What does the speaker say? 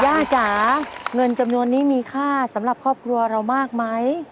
จ๋าเงินจำนวนนี้มีค่าสำหรับครอบครัวเรามากไหม